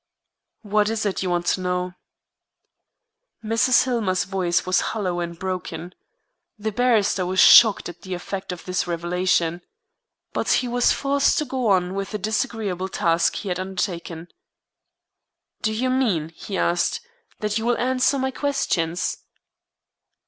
"What is it you want to know?" Mrs. Hillmer's voice was hollow and broken. The barrister was shocked at the effect of his revelation, but he was forced to go on with the disagreeable task he had undertaken. "Do you mean," he asked, "that you will answer my questions?"